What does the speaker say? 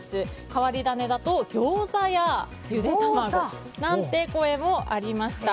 変わり種だとギョーザやゆで卵なんて声もありました。